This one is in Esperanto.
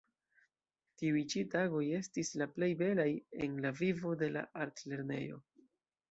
Tiuj ĉi tagoj estis la plej belaj en la vivo de la artlernejo.